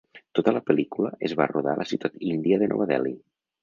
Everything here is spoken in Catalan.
Tota la pel·lícula es va rodar a la ciutat índia de Nova Delhi.